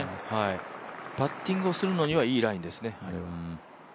パッティングをするのには、いいラインですね。